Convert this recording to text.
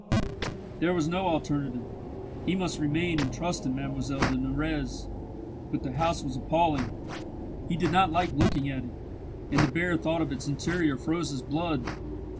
there was no alternative, he must remain and trust in Mlle de Nurrez. But the house was appalling; he did not like looking at it, and the bare thought of its interior froze his blood.